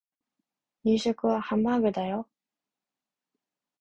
夕食はハンバーグだよ